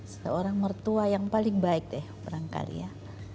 seorang mertua yang paling baik deh orang kali ya